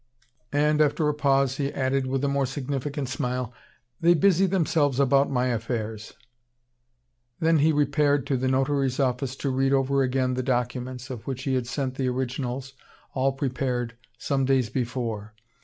And, after a pause, he added, with a more significant smile: "They busy themselves about my affairs." Then he repaired to the notary's office to read over again the documents, of which he had sent the originals, all prepared, some days before.